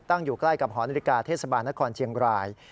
อยู่ใกล้กับหอนาฬิกาเทศบาลนครเชียงราย